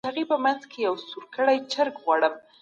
آیا د فساد مخنیوی د حکومت دنده ده؟